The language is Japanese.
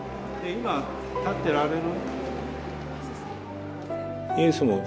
今立ってられる？